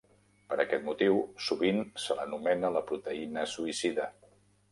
Per aquest motiu, sovint se l'anomena la proteïna suïcida.